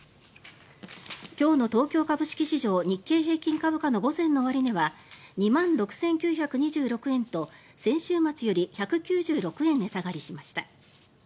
今日の東京株式市場日経平均株価の午前の終値は２万６９２６円と先週末より１９６円値下がりしました。